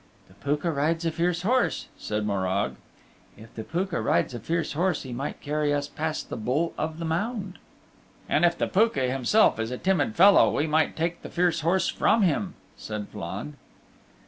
"The Pooka rides a fierce horse," said Morag, "if the Pooka rides a fierce horse he might carry us past the Bull of the Mound." "And if the Pooka himself is a timid little fellow we might take the fierce horse from him," said Flann.